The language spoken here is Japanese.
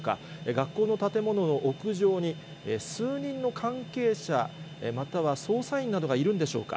学校の建物の屋上に数人の関係者、または捜査員などがいるんでしょうか。